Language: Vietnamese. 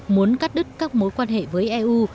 muốn cắt đứt các mối quan hệ với eu